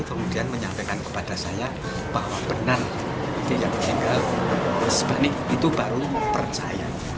kemudian menyampaikan kepada saya bahwa benar dia meninggal mas bani itu baru percaya